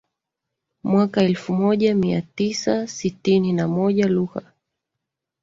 mwaka elfumoja miatisa sitini na moja lugha